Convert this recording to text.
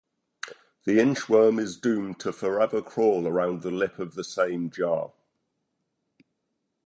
The inchworm is doomed to forever crawl around the lip of the same jar.